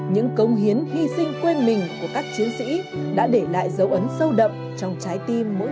những công hiến hy sinh quên mình của các chiến sĩ đã để lại dấu ấn sâu đậm trong trái tim mỗi người